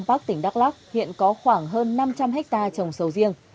bắc tỉnh đắk lắc hiện có khoảng hơn năm trăm linh hectare trồng sầu riêng